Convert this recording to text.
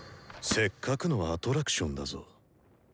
せっかくのアトラクションだぞ。